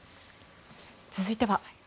続いては。